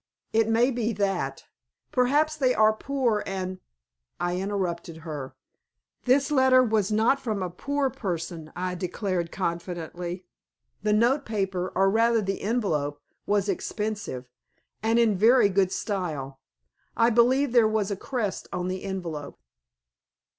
It may be that. Perhaps they are poor, and " I interrupted her. "This letter was not from a poor person," I declared, confidently. "The notepaper, or rather the envelope, was expensive, and in very good style. I believe there was a crest on the envelope."